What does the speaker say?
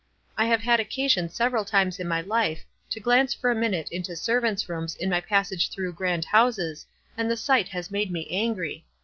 I have had occasion several times in my life to glance for a minute into servants' rooms in my passage through grand houses, and the sight has made me angry.